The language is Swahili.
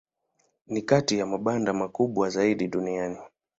Ni kati ya mabamba makubwa zaidi duniani.